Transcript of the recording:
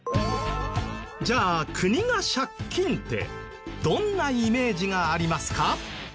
じゃあ国が借金ってどんなイメージがありますか？